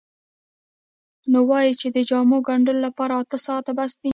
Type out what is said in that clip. نو وایي چې د جامو ګنډلو لپاره اته ساعته بس دي.